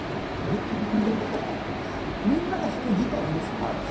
みんなが弾くギターありますよね。